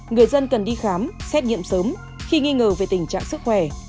người dân cần đi khám xét nghiệm sớm khi nghi ngờ về tình trạng sức khỏe